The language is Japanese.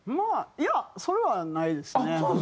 いやそれはないですね。